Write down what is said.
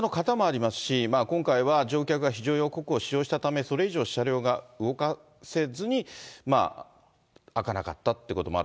電車の型もありますし、今回は乗客が非常用コックを使用したため、それ以上車両が動かせずに開かなかったということもある。